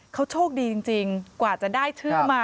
เขาโชคดีจริงกว่าจะได้ชื่อมา